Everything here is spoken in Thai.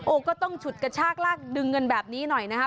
ก็ต้องฉุดกระชากลากดึงเงินแบบนี้หน่อยนะครับ